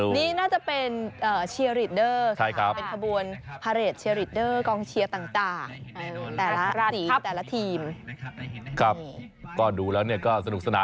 ดิฉันชอบเออดิฉันชอบป้ายโรงเรียนอะ